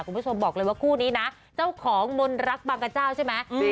คุณผู้ชมบอกเลยว่าคู่นี้นะเจ้าของมนรักบางกระเจ้าใช่ไหม